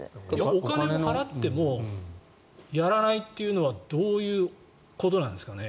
お金を払ってもやらないというのはどういうことなんですかね？